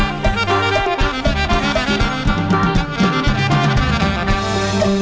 โน้ท